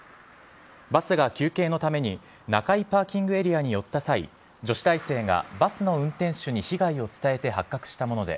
バスが休憩のために中井パーキングエリアに寄った際、女子大生がバスの運転手に被害を伝えて発覚したもので、